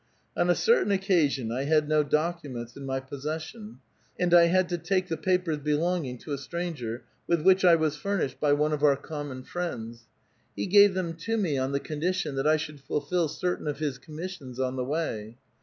On a ceiliain occasion I had no documents in my possession, and I liad to take the papers belonging to a stranger, with which I was furnished by one of our common friends. He gave them to me on the condition that I should fulfil certain of his commissions on the way.